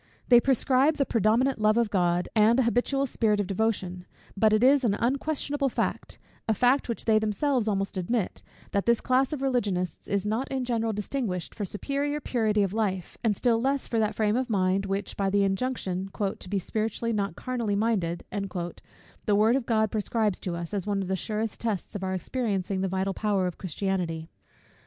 They prescribe the predominant love of God, and an habitual spirit of devotion: but it is an unquestionable fact; a fact which they themselves almost admit, that this class of religionists is not in general distinguished for superior purity of life; and still less for that frame of mind, which, by the injunction "to be spiritually, not carnally, minded," the word of God prescribes to us, as one of the surest tests of our experiencing the vital power of Christianity.